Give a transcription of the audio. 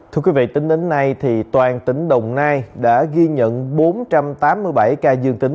thưa quý vị tính đến nay toàn tỉnh đồng nai đã ghi nhận bốn trăm tám mươi bảy ca dương tính